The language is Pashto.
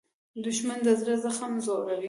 دښمن د زړه زخم زوړوي